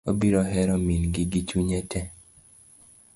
Obiro hero min gi chunye tee.